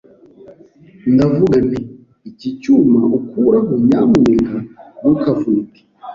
Ndavuga nti Iki cyuma ukuraho nyamuneka ntukavunike